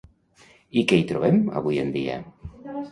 I què hi trobem avui en dia?